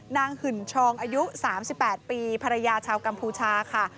หึ่นชองอายุ๓๘ปีภรรยาชาวกัมพูชาค่ะ